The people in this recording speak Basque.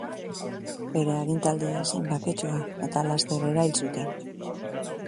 Bere agintaldia ez zen baketsua eta laster erail zuten.